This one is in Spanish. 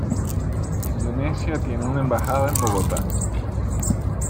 Indonesia tiene una embajada en Bogotá.